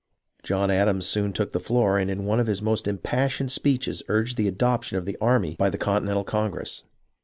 John Adams soon took the floor and in one of his most impassioned speeches urged the adoption of the army by the Continen tal Congress.